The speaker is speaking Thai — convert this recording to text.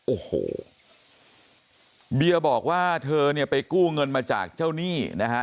โอ้โหเบียบอกว่าเธอเนี่ยไปกู้เงินมาจากเจ้าหนี้นะฮะ